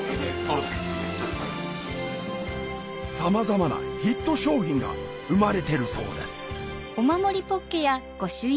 さまざまなヒット商品が生まれてるそうです